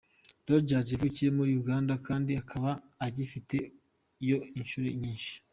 Rogers yavukiye muri Uganda kandi akaba agifite yo Inshuti nyinshi.